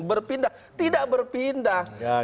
berpindah tidak berpindah